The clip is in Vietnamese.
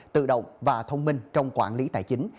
tự động và thông minh trong quản lý tài chính